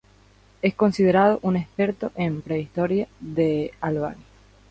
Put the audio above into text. Es considerado un experto en prehistoria de Albania.